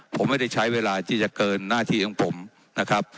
ผมไม่ได้ใช้เวลาที่จะเกินหน้าที่ของผมนะครับ